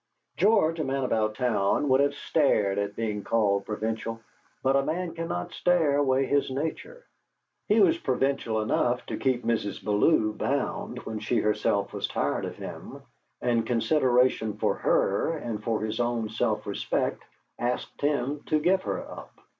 George, a man about town, would have stared at being called provincial, but a man cannot stare away his nature. He was provincial enough to keep Mrs. Bellew bound when she herself was tired of him, and consideration for her, and for his own self respect asked him to give her up.